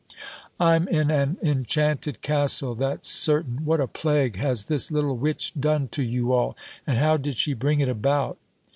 "I'm in an enchanted castle, that's certain. What a plague has this little witch done to you all? And how did she bring it about?"